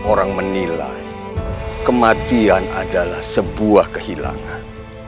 orang menilai kematian adalah sebuah kehilangan